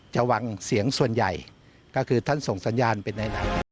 จะฟังเสียงส่วนใหญ่ก็คือท่านส่งสัญญาณเป็นไหน